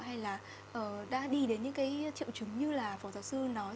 hay là đã đi đến những triệu chứng như là phổ giáo sư nói